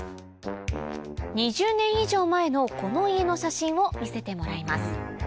２０年以上前のこの家の写真を見せてもらいます